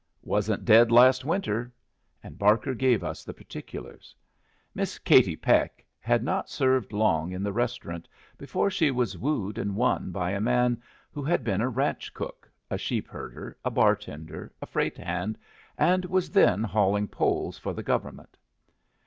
"Wasn't dead last winter." And Barker gave us the particulars. Miss Katie Peck had not served long in the restaurant before she was wooed and won by a man who had been a ranch cook, a sheep herder, a bar tender, a freight hand, and was then hauling poles for the government.